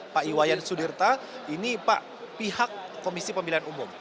pak iwayan sudirta ini pak pihak komisi pemilihan umum